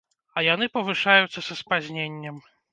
А яны павышаюцца са спазненнем.